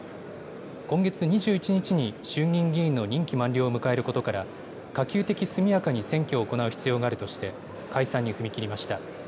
今月２１日に、衆議院議員の任期満了を迎えることから、可及的速やかに選挙を行う必要があるとして、解散に踏み切りました。